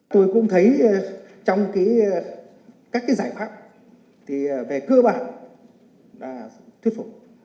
tôi cũng thấy trong các giải pháp về cơ bản là thuyết phục